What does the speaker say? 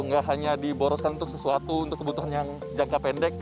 nggak hanya diboroskan untuk sesuatu untuk kebutuhan yang jangka pendek